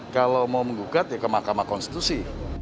kalau mau menggugat ya ke mahkamah konstitusi